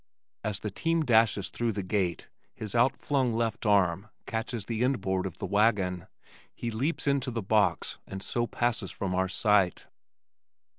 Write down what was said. As the team dashes through the gate his outflung left hand catches the end board of the wagon, he leaps into the box, and so passes from our sight.